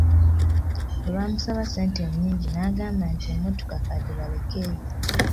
Bwe baamusaba ssente ennyingi n'agamba nti emmotoka k'agibalekere.